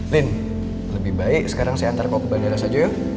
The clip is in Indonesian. lin lebih baik sekarang saya antar kau ke bandara saja ya